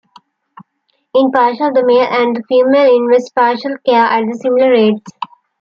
In pairs, the male and the female invest parental care at similar rates.